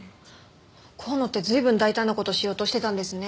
香野って随分大胆な事しようとしてたんですね。